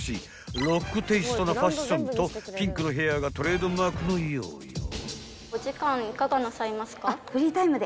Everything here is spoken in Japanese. ［ロックテイストなファッションとピンクのヘアがトレードマークのようよ］